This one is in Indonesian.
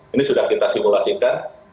ini sudah kita simulasikan